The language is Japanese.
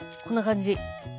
こんな感じ。